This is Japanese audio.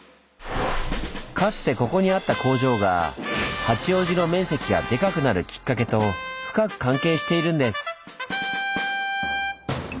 かつてここにあった工場が八王子の面積がデカくなるきっかけと深く関係しているんです。